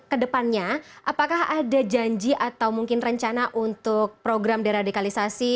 kedepannya apakah ada janji atau mungkin rencana untuk program deradikalisasi